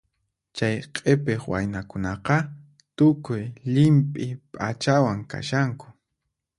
Chay q'ipiq waynakunaqa tukuy llimp'i p'achakunawan kashanku.